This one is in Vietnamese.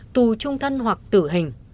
tù trung thân hoặc tử hình